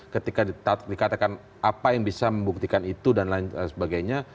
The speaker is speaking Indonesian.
ketika dikatakan apa yang bisa membuktikan itu dan lain sebagainya